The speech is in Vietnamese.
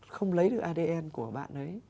không lấy được adn của bạn ấy